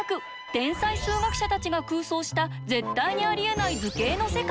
天才数学者たちが空想した絶対にありえない図形の世界。